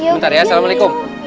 bentar ya assalamualaikum